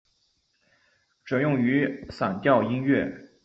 主要用于散调音乐。